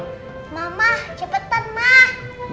mama cepetan ma